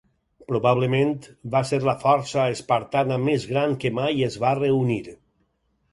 Probablement va ser la força espartana més gran que mai es va reunir.